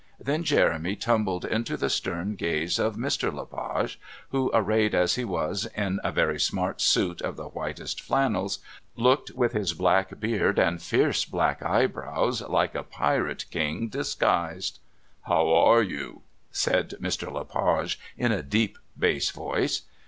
Then Jeremy tumbled into the stern gaze of Mr. Le Page who, arrayed as he was in a very smart suit of the whitest flannels, looked with his black beard and fierce black eyebrows like a pirate king disguised. "How are you?" said Mr. Le Page in a deep bass voice.